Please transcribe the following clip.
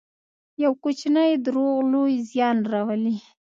یو کوچنی دروغ لوی زیان راولي.